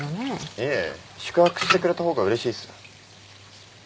いえ宿泊してくれた方がうれしいっす。